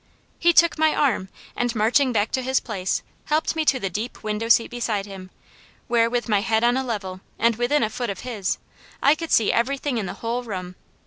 He took my arm, and marching back to his place, helped me to the deep window seat beside him, where with my head on a level, and within a foot of his, I could see everything in the whole room.